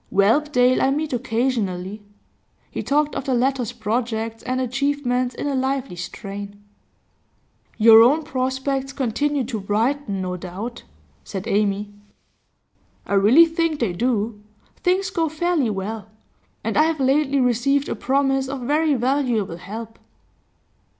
Whelpdale I meet occasionally.' He talked of the latter's projects and achievements in a lively strain. 'Your own prospects continue to brighten, no doubt,' said Amy. 'I really think they do. Things go fairly well. And I have lately received a promise of very valuable help.